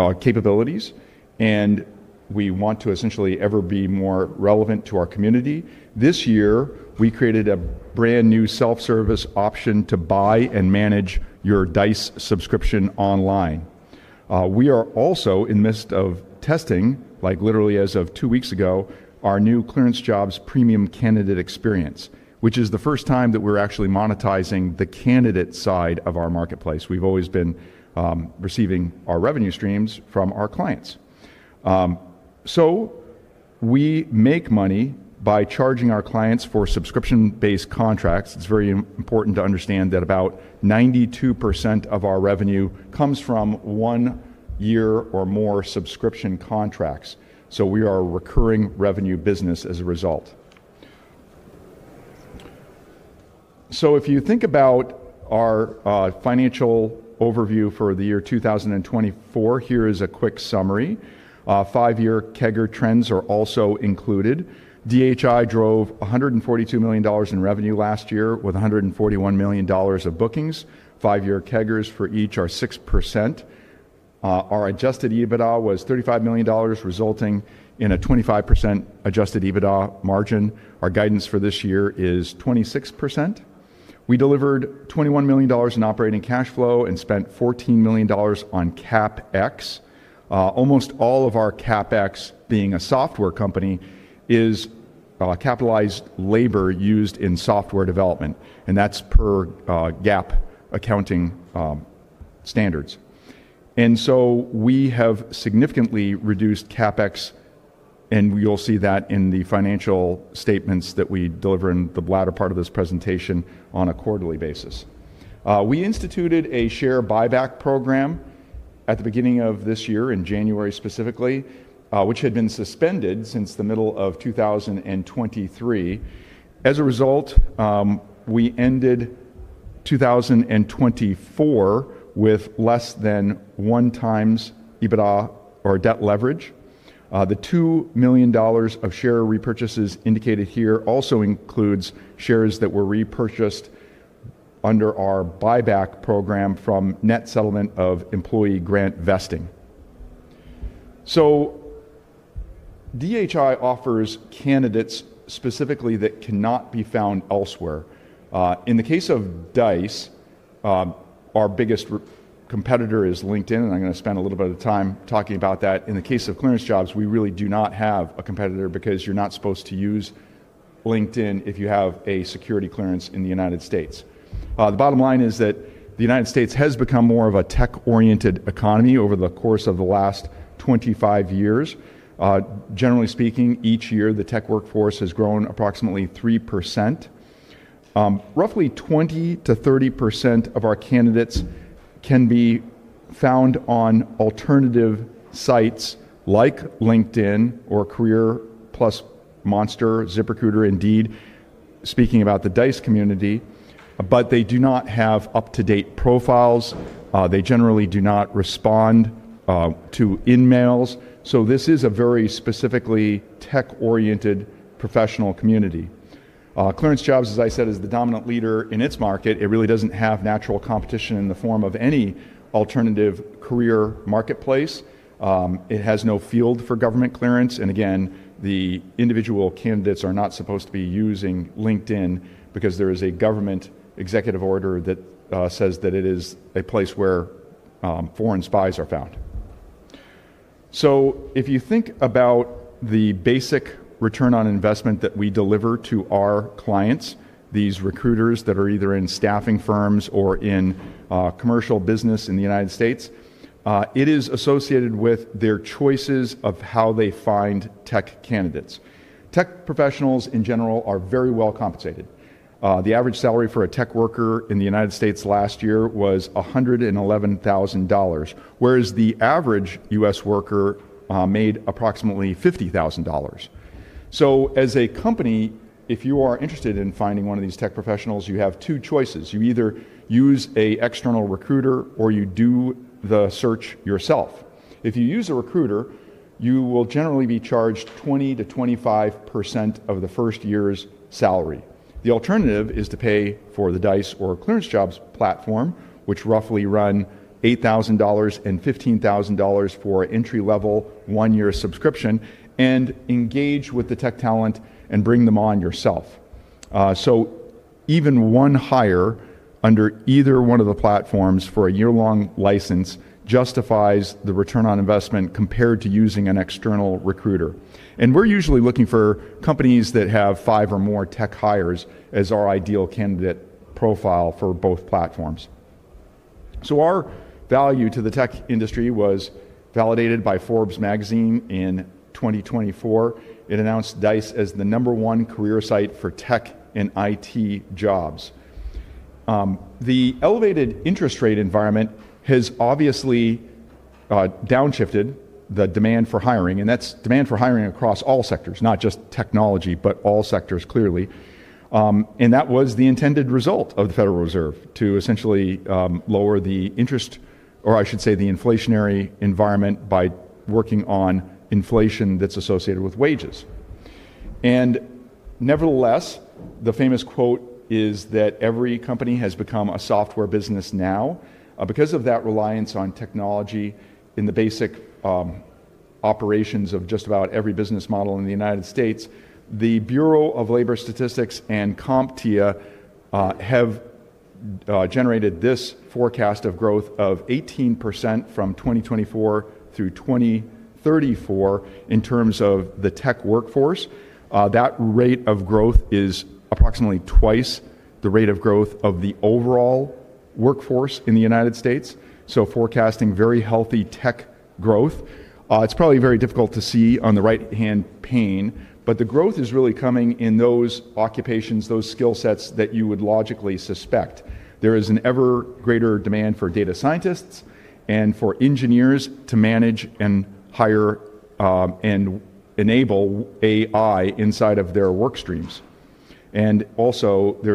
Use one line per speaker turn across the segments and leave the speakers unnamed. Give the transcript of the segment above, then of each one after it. Our capabilities, and we want to essentially ever be more relevant to our community. This year, we created a brand new self-service option to buy and manage your Dice subscription online. We are also in the midst of testing, like literally as of two weeks ago, our new ClearanceJobs Premium Candidate Experience, which is the first time that we're actually monetizing the candidate side of our marketplace. We've always been receiving our revenue streams from our clients. We make money by charging our clients for subscription-based contracts. It's very important to understand that about 92% of our revenue comes from one year or more subscription contracts. We are a recurring revenue business as a result. If you think about our financial overview for the year 2024, here is a quick summary. Five-year CAGR trends are also included. DHI drove $142 million in revenue last year with $141 million of bookings. Five-year CAGR for each are 6%. Our adjusted EBITDA was $35 million, resulting in a 25% adjusted EBITDA margin. Our guidance for this year is 26%. We delivered $21 million in operating cash flow and spent $14 million on capital expenditures. Almost all of our capital expenditures, being a software company, is capitalized labor used in software development, and that's per GAAP accounting standards. We have significantly reduced capital expenditures, and you'll see that in the financial statements that we deliver in the latter part of this presentation on a quarterly basis. We instituted a share buyback program at the beginning of this year, in January specifically, which had been suspended since the middle of 2023. As a result, we ended 2024 with less than one times EBITDA or debt leverage. The $2 million of share repurchases indicated here also includes shares that were repurchased under our buyback program from net settlement of employee grant vesting. DHI offers candidates specifically that cannot be found elsewhere. In the case of Dice, our biggest competitor is LinkedIn, and I'm going to spend a little bit of time talking about that. In the case of ClearanceJobs, we really do not have a competitor because you're not supposed to use LinkedIn if you have a security clearance in the United States. The bottom line is that the U.S. has become more of a tech-oriented economy over the course of the last 25 years. Generally speaking, each year the tech workforce has grown approximately 3%. Roughly 20%-30% of our candidates can be found on alternative sites like LinkedIn or Career Plus, Monster, ZipRecruiter, Indeed, speaking about the Dice community, but they do not have up-to-date profiles. They generally do not respond to in-mails. This is a very specifically tech-oriented professional community. ClearanceJobs, as I said, is the dominant leader in its market. It really doesn't have natural competition in the form of any alternative career marketplace. It has no field for government clearance, and again, the individual candidates are not supposed to be using LinkedIn because there is a government executive order that says that it is a place where foreign spies are found. If you think about the basic return on investment that we deliver to our clients, these recruiters that are either in staffing firms or in commercial business in the United States, it is associated with their choices of how they find tech candidates. Tech professionals in general are very well compensated. The average salary for a tech worker in the United States last year was $111,000, whereas the average U.S. worker made approximately $50,000. As a company, if you are interested in finding one of these tech professionals, you have two choices. You either use an external recruiter or you do the search yourself. If you use a recruiter, you will generally be charged 20%-25% of the first year's salary. The alternative is to pay for the Dice or ClearanceJobs platform, which roughly run $8,000 and $15,000 for entry-level one-year subscription, and engage with the tech talent and bring them on yourself. Even one hire under either one of the platforms for a year-long license justifies the return on investment compared to using an external recruiter. We're usually looking for companies that have five or more tech hires as our ideal candidate profile for both platforms. Our value to the tech industry was validated by Forbes Magazine in 2024. It announced Dice as the number one career site for tech and IT jobs. The elevated interest rate environment has obviously downshifted the demand for hiring, and that's demand for hiring across all sectors, not just technology, but all sectors clearly. That was the intended result of the Federal Reserve to essentially lower the interest, or I should say the inflationary environment by working on inflation that's associated with wages. Nevertheless, the famous quote is that every company has become a software business now. Because of that reliance on technology in the basic operations of just about every business model in the U.S., the Bureau of Labor Statistics and CompTIA have generated this forecast of growth of 18% from 2024 through 2034 in terms of the tech workforce. That rate of growth is approximately twice the rate of growth of the overall workforce in the U.S., forecasting very healthy tech growth. It's probably very difficult to see on the right-hand pane, but the growth is really coming in those occupations, those skill sets that you would logically suspect. There is an ever greater demand for data scientists and for engineers to manage and hire and enable AI inside of their work streams. There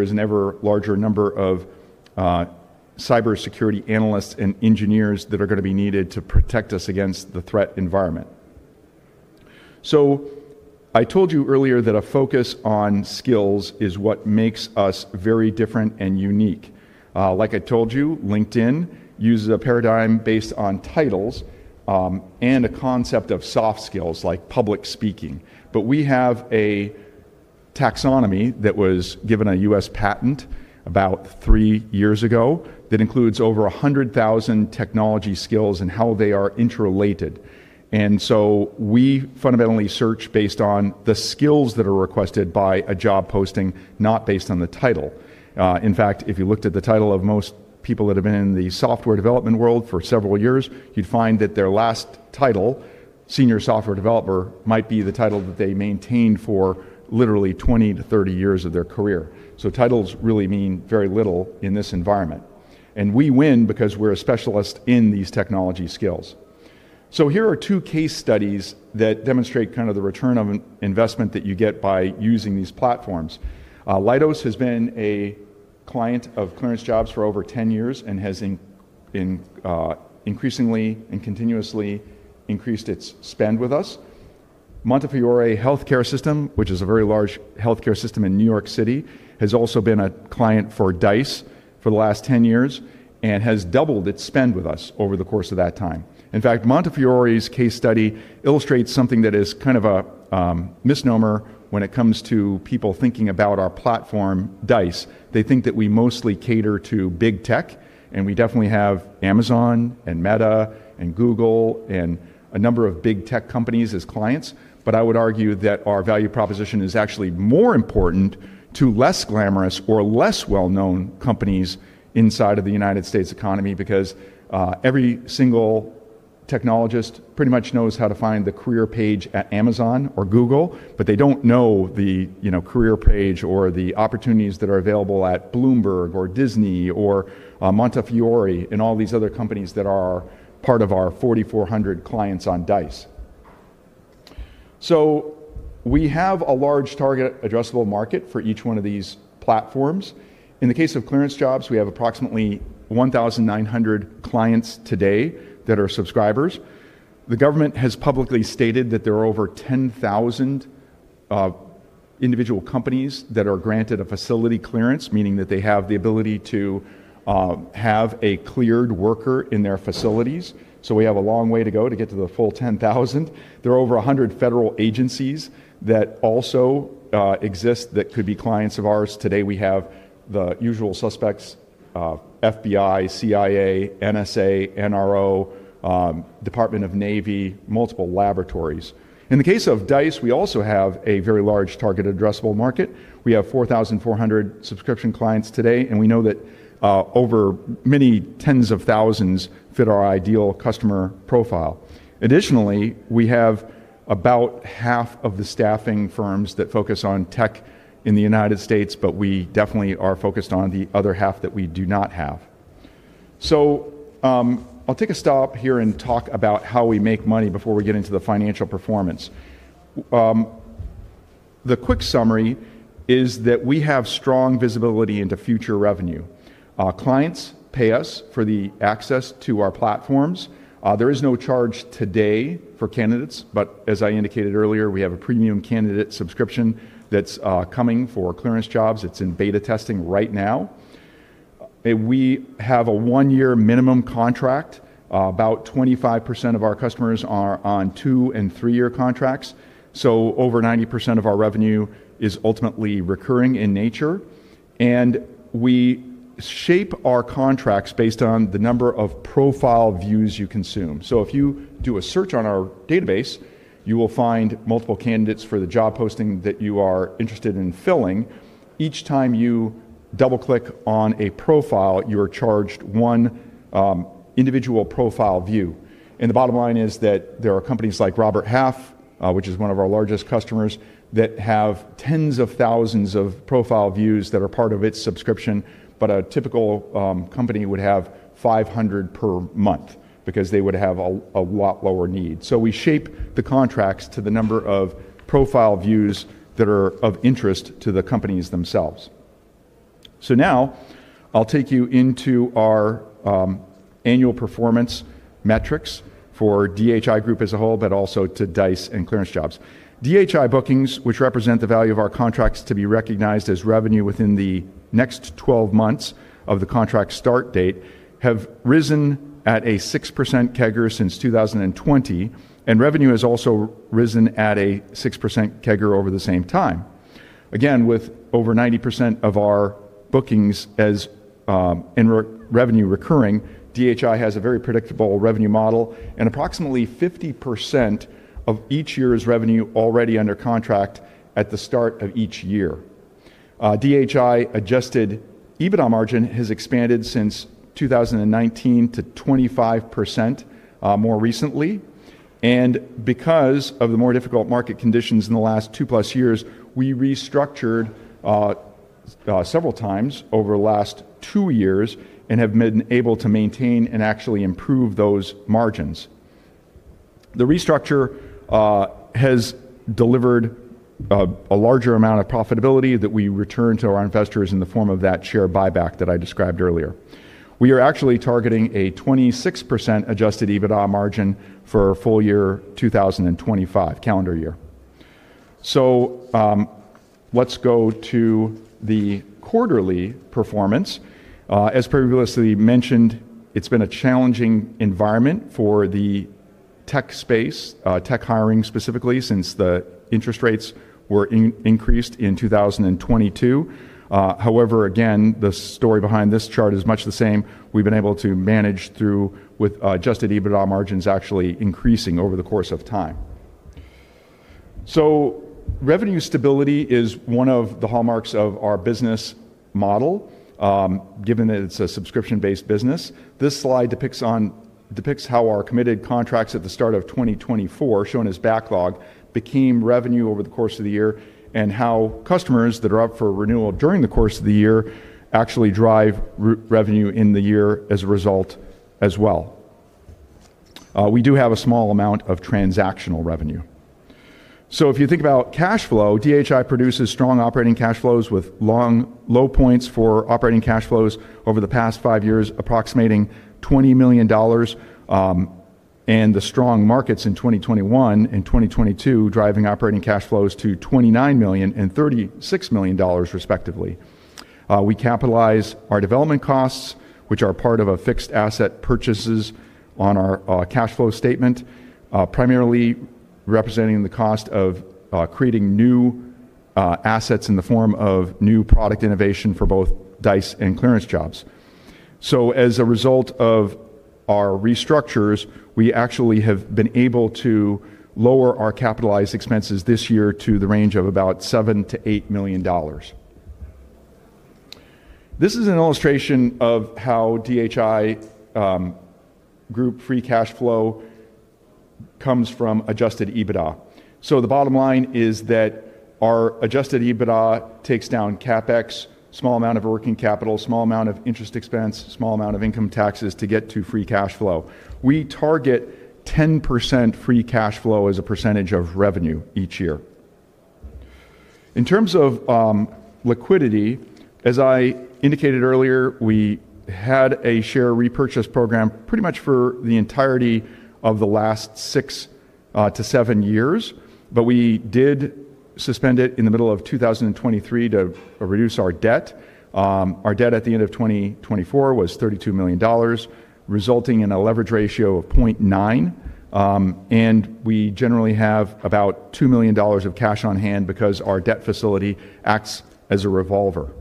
is an ever larger number of cybersecurity analysts and engineers that are going to be needed to protect us against the threat environment. I told you earlier that a focus on skills is what makes us very different and unique. Like I told you, LinkedIn uses a paradigm based on titles and a concept of soft skills like public speaking. We have a taxonomy that was given a U.S. patent about three years ago that includes over 100,000 technology skills and how they are interrelated. We fundamentally search based on the skills that are requested by a job posting, not based on the title. In fact, if you looked at the title of most people that have been in the software development world for several years, you'd find that their last title, Senior Software Developer, might be the title that they maintained for literally 20-30 years of their career. Titles really mean very little in this environment. We win because we're a specialist in these technology skills. Here are two case studies that demonstrate the return on investment that you get by using these platforms. Leidos has been a client of ClearanceJobs for over 10 years and has increasingly and continuously increased its spend with us. Montefiore Healthcare System, which is a very large healthcare system in New York City, has also been a client for Dice for the last 10 years and has doubled its spend with us over the course of that time. In fact, Montefiore's case study illustrates something that is kind of a misnomer when it comes to people thinking about our platform, Dice. They think that we mostly cater to big tech, and we definitely have Amazon and Meta and Google and a number of big tech companies as clients. I would argue that our value proposition is actually more important to less glamorous or less well-known companies inside of the U.S. economy because every single technologist pretty much knows how to find the career page at Amazon or Google, but they don't know the career page or the opportunities that are available at Bloomberg or Disney or Montefiore Healthcare System and all these other companies that are part of our 4,400 clients on Dice. We have a large target addressable market for each one of these platforms. In the case of ClearanceJobs, we have approximately 1,900 clients today that are subscribers. The government has publicly stated that there are over 10,000 individual companies that are granted a facility clearance, meaning that they have the ability to have a cleared worker in their facilities. We have a long way to go to get to the full 10,000. There are over 100 federal agencies that also exist that could be clients of ours. Today, we have the usual suspects: FBI, CIA, NSA, NRO, Department of Navy, multiple laboratories. In the case of Dice, we also have a very large target addressable market. We have 4,400 subscription clients today, and we know that over many tens of thousands fit our ideal customer profile. Additionally, we have about half of the staffing firms that focus on tech in the United States, but we definitely are focused on the other half that we do not have. I'll take a stop here and talk about how we make money before we get into the financial performance. The quick summary is that we have strong visibility into future revenue. Clients pay us for the access to our platforms. There is no charge today for candidates, but as I indicated earlier, we have a premium candidate subscription that's coming for ClearanceJobs. It's in beta testing right now. We have a one-year minimum contract. About 25% of our customers are on two and three-year contracts. Over 90% of our revenue is ultimately recurring in nature. We shape our contracts based on the number of profile views you consume. If you do a search on our database, you will find multiple candidates for the job posting that you are interested in filling. Each time you double-click on a profile, you are charged one individual profile view. The bottom line is that there are companies like Robert Half, which is one of our largest customers, that have tens of thousands of profile views that are part of its subscription, but a typical company would have 500 per month because they would have a lot lower need. We shape the contracts to the number of profile views that are of interest to the companies themselves. Now I'll take you into our annual performance metrics for DHI as a whole, but also to Dice and ClearanceJobs. DHI bookings, which represent the value of our contracts to be recognized as revenue within the next 12 months of the contract start date, have risen at a 6% CAGR since 2020, and revenue has also risen at a 6% CAGR over the same time. Again, with over 90% of our bookings as revenue recurring, DHI has a very predictable revenue model, and approximately 50% of each year's revenue is already under contract at the start of each year. DHI adjusted EBITDA margin has expanded since 2019 to 25% more recently, and because of the more difficult market conditions in the last two plus years, we restructured several times over the last two years and have been able to maintain and actually improve those margins. The restructure has delivered a larger amount of profitability that we return to our investors in the form of that share buyback that I described earlier. We are actually targeting a 26% adjusted EBITDA margin for a full year 2025 calendar year. Let's go to the quarterly performance. As previously mentioned, it's been a challenging environment for the tech space, tech hiring specifically, since the interest rates were increased in 2022. However, again, the story behind this chart is much the same. We've been able to manage through with adjusted EBITDA margins actually increasing over the course of time. Revenue stability is one of the hallmarks of our business model, given that it's a subscription-based business. This slide depicts how our committed contracts at the start of 2024, shown as backlog, became revenue over the course of the year and how customers that are up for renewal during the course of the year actually drive revenue in the year as a result as well. We do have a small amount of transactional revenue. If you think about cash flow, DHI produces strong operating cash flows with long low points for operating cash flows over the past five years, approximating $20 million, and the strong markets in 2021 and 2022 driving operating cash flows to $29 million and $36 million, respectively. We capitalize our development costs, which are part of fixed asset purchases on our cash flow statement, primarily representing the cost of creating new assets in the form of new product innovation for both Dice and ClearanceJobs. As a result of our restructures, we actually have been able to lower our capitalized expenses this year to the range of about $7 million-$8 million. This is an illustration of how DHI Group Inc. free cash flow comes from adjusted EBITDA. The bottom line is that our adjusted EBITDA takes down CapEx, a small amount of working capital, a small amount of interest expense, a small amount of income taxes to get to free cash flow. We target 10% free cash flow as a percentage of revenue each year. In terms of liquidity, as I indicated earlier, we had a share buyback program pretty much for the entirety of the last six to seven years, but we did suspend it in the middle of 2023 to reduce our debt. Our debt at the end of 2024 was $32 million, resulting in a leverage ratio of 0.9, and we generally have about $2 million of cash on hand because our debt facility acts as a revolver.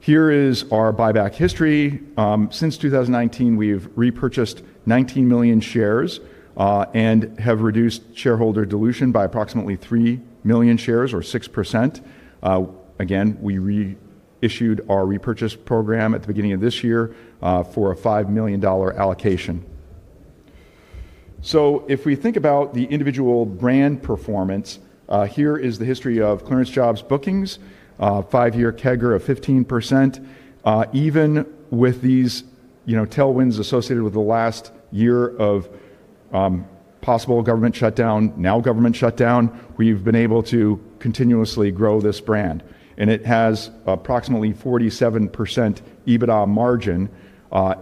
Here is our buyback history. Since 2019, we've repurchased 19 million shares and have reduced shareholder dilution by approximately 3 million shares or 6%. We reissued our buyback program at the beginning of this year for a $5 million allocation. If we think about the individual brand performance, here is the history of ClearanceJobs bookings, five-year CAGR of 15%. Even with these tailwinds associated with the last year of possible government shutdown, now government shutdown, we've been able to continuously grow this brand, and it has approximately 47% EBITDA margin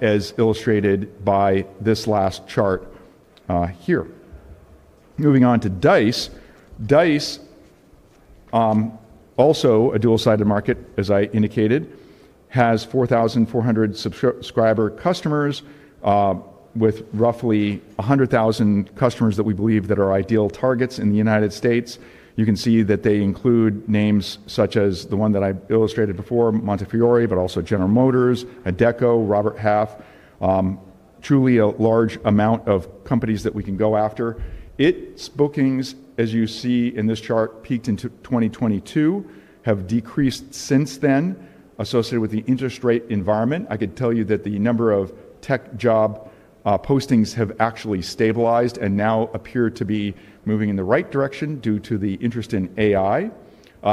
as illustrated by this last chart here. Moving on to Dice. Dice, also a dual-sided market, as I indicated, has 4,400 subscriber customers with roughly 100,000 customers that we believe are ideal targets in the United States. You can see that they include names such as the one that I illustrated before, Montefiore Healthcare System, but also General Motors, Adecco, Robert Half, truly a large amount of companies that we can go after. Its bookings, as you see in this chart, peaked in 2022, have decreased since then, associated with the interest rate environment. I could tell you that the number of tech job postings have actually stabilized and now appear to be moving in the right direction due to the interest in AI.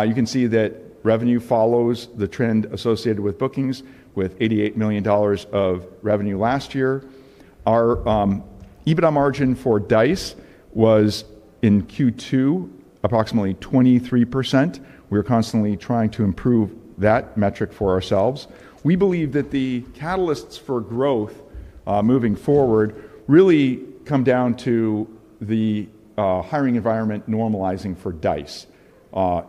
You can see that revenue follows the trend associated with bookings, with $88 million of revenue last year. Our EBITDA margin for Dice was in Q2 approximately 23%. We're constantly trying to improve that metric for ourselves. We believe that the catalysts for growth moving forward really come down to the hiring environment normalizing for Dice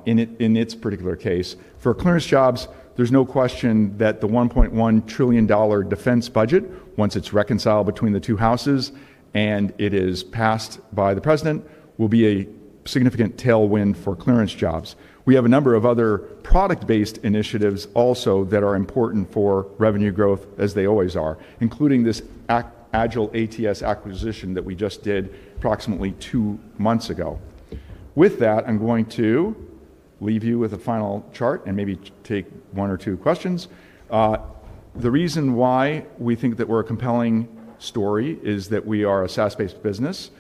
in its particular case. For ClearanceJobs, there's no question that the $1.1 trillion defense budget, once it's reconciled between the two houses and it is passed by the president, will be a significant tailwind for ClearanceJobs. We have a number of other product-based initiatives also that are important for revenue growth, as they always are, including this Agile ATS acquisition that we just did approximately two months ago. With that, I'm going to leave you with a final chart and maybe take one or two questions. The reason why we think that we're a compelling story is that we are a SaaS-based business,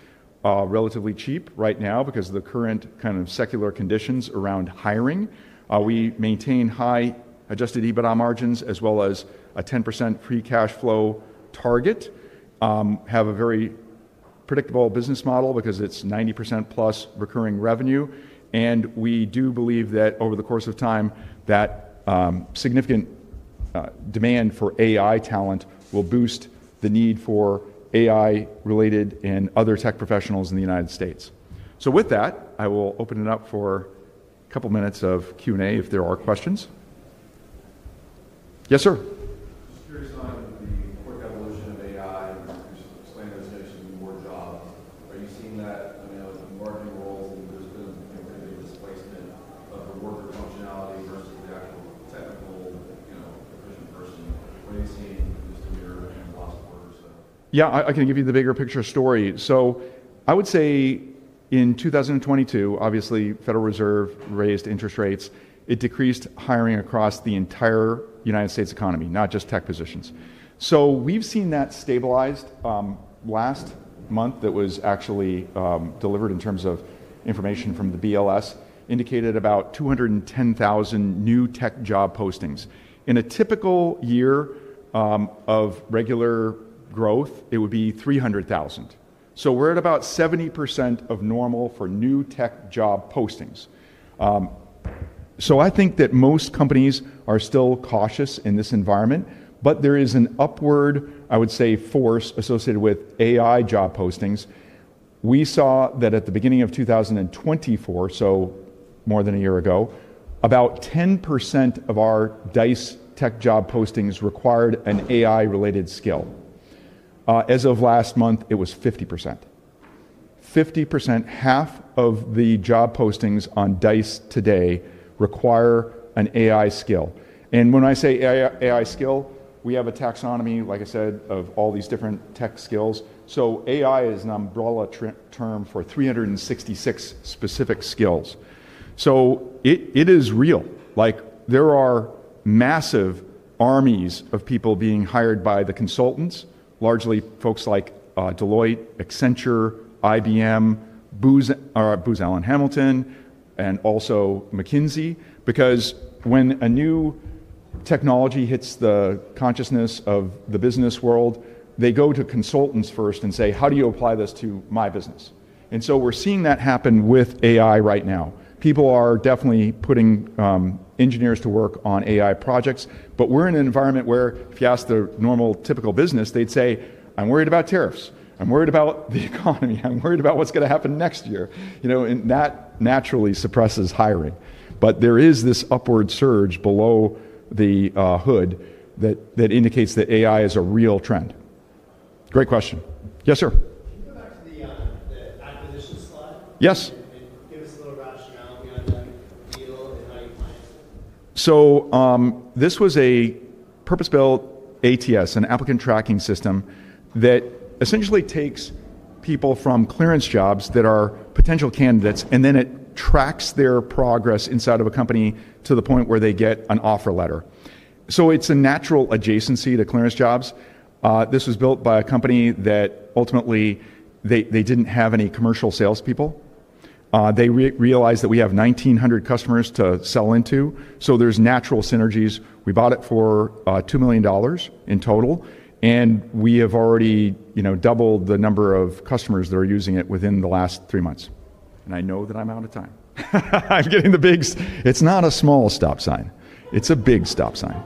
relatively cheap right now because of the current kind of secular conditions around hiring. We maintain high adjusted EBITDA margins as well as a 10% free cash flow target, have a very predictable business model because it's 90% plus recurring revenue, and we do believe that over the course of time, that significant demand for AI talent will boost the need for AI-related and other tech professionals in the United States. With that, I will open it up for a couple of minutes of Q&A if there are questions. Yes, sir. Just curious on the quick evolution of AI and the market expanded to more jobs. Are you seeing that, I mean, the margin rolls and there's been a big displacement of the worker functionality versus the actual technical efficient person? What are you seeing just in your analysts' words? Yeah, I can give you the bigger picture story. I would say in 2022, obviously, the Federal Reserve raised interest rates. It decreased hiring across the entire United States economy, not just tech positions. We've seen that stabilized. Last month, information from the BLS indicated about 210,000 new tech job postings. In a typical year of regular growth, it would be 300,000. We're at about 70% of normal for new tech job postings. I think that most companies are still cautious in this environment, yet there is an upward force associated with AI job postings. We saw that at the beginning of 2024, more than a year ago, about 10% of our Dice tech job postings required an AI-related skill. As of last month, it was 50%. 50%, half of the job postings on Dice today require an AI skill. When I say AI skill, we have a taxonomy, like I said, of all these different tech skills. AI is an umbrella term for 366 specific skills. It is real. There are massive armies of people being hired by the consultants, largely folks like Deloitte, Accenture, IBM, Booz Allen Hamilton, and also McKinsey, because when a new technology hits the consciousness of the business world, they go to consultants first and say, "How do you apply this to my business?" We're seeing that happen with AI right now. People are definitely putting engineers to work on AI projects. We're in an environment where if you ask the normal typical business, they'd say, "I'm worried about tariffs. I'm worried about the economy. I'm worried about what's going to happen next year." That naturally suppresses hiring. There is this upward surge below the hood that indicates that AI is a real trend. Great question. Yes, sir. Can you go back to the acquisition slide? Yes. Give us a little rationale behind that deal and how you financed it. This was a purpose-built ATS, an applicant tracking system that essentially takes people from ClearanceJobs that are potential candidates, and then it tracks their progress inside of a company to the point where they get an offer letter. It is a natural adjacency to ClearanceJobs. This was built by a company that ultimately did not have any commercial salespeople. They realized that we have 1,900 customers to sell into, so there are natural synergies. We bought it for $2 million in total, and we have already doubled the number of customers that are using it within the last three months. I know that I am out of time. I am getting the bigs. It is not a small stop sign. It is a big stop sign.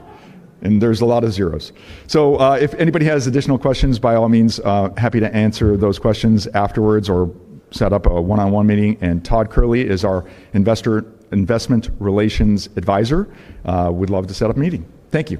There are a lot of zeros. If anybody has additional questions, by all means, happy to answer those questions afterwards or set up a one-on-one meeting. Todd Kehrli is our investment relations advisor. We would love to set up a meeting. Thank you.